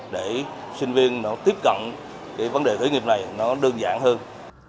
để sinh viên nó tiếp cận cái vấn đề khởi nghiệp này nó đơn giản hơn